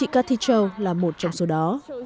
latichou là một trong số đó